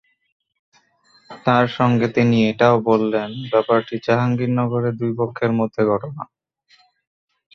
তার সঙ্গে তিনি এটাও বললেন, ব্যাপারটি জাহাঙ্গীরনগরের দুই পক্ষের মধ্যে ঘটনা।